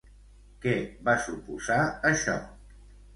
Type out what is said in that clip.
Què va suposar això?